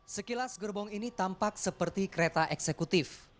sekilas gerbong ini tampak seperti kereta eksekutif